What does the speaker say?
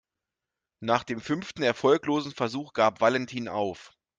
Nach dem fünften erfolglosen Versuch gab Valentin auf.